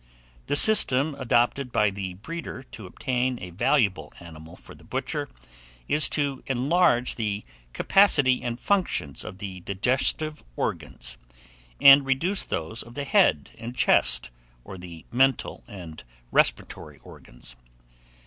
The system adopted by the breeder to obtain a valuable animal for the butcher, is to enlarge the capacity and functions of the digestive organs, and reduce those of the head and chest, or the mental and respiratory organs.